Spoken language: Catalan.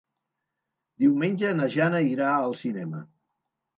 Diumenge na Jana irà al cinema.